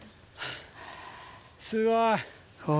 すごい。